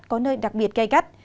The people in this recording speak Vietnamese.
có nơi đặc biệt cay cắt